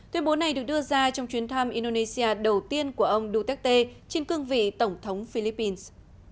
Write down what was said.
tuyên bố này được đưa ra trong chuyến thăm indonesia đầu tiên của ông duterte trên cương vị tổng thống philippines